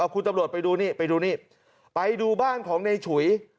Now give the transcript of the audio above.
คุณตำรวจไปดูนี่ไปดูนี่ไปดูบ้านของในฉุย